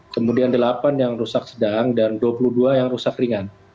kemudian delapan yang rusak sedang dan dua puluh dua yang rusak ringan